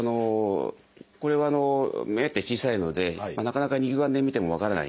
これは目って小さいのでなかなか肉眼で見ても分からないんですね。